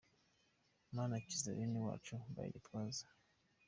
Mana kiza bene wacu by Gitwaza.